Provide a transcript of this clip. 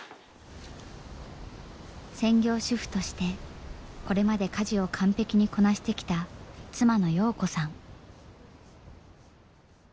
専業主婦としてこれまで家事を完璧にこなしてきた妻の洋子さん。